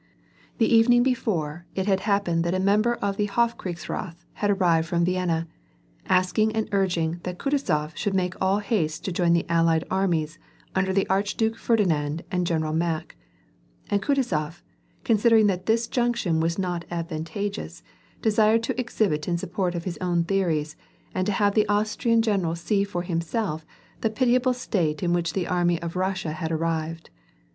The evening before, it had happened that a member of the Hofkriegsrath had arrived from Vienna, asking and urging that Kutuzof should make all haste to join the allied ai mies under the Archduke Ferdinand and General Mack; and Kutuzof, considering that this junction was not advantageous, desired to exhibit in support of his own theories, and to havi* the Austrian general see for himself, the pitiable state in which the army from Kussia had arrived.